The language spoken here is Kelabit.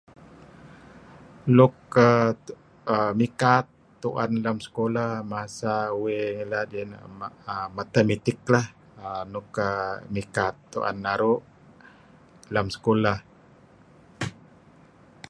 Luk mikat lem sekolah masa uih ngilad iahineh Mathematics lah. Nuk mikat tuen naru' lem sekolah.